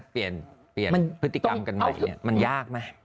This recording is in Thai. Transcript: เปลี่ยนพฤติกรรมกันใหม่เนี่ยมันยากไหม